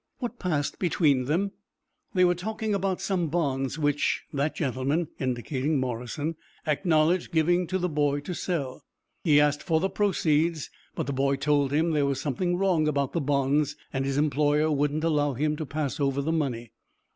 "What passed between them?" "They were talking about some bonds, which that gentleman," indicating Morrison, "acknowledged giving to the boy to sell. He asked for the proceeds, but the boy told him there was something wrong about the bonds, and his employer wouldn't allow him to pass over the money.